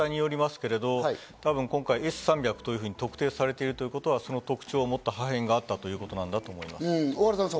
破壊のされ方によりますけれども、今回Ｓ−３００というふうに特定されているということはその特徴を持った破片があったということだと思います。